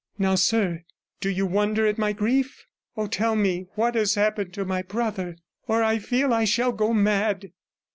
Now, sir, do you wonder at my grief? Oh, tell me what has happened to my brother, or I feel I shall go mad!'